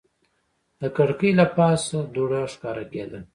د کړکۍ له پاسه دوړه ښکاره کېده.